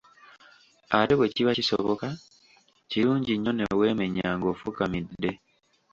Ate bwe kiba kisoboka, kirungi nnyo ne weemenya ng'ofukamidde.